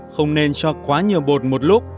không nên cho quá nhiều bột một lúc